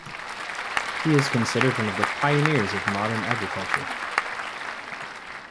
He is considered one of the pioneers of modern agriculture.